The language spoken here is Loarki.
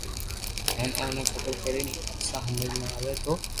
ھين اوني خبر پڙئي ئسآ ھمج نہ آوئ تو